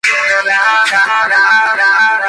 Se observa con más frecuencia en parejas.